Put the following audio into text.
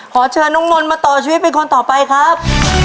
ขอเชิญน้องนนทมาต่อชีวิตเป็นคนต่อไปครับ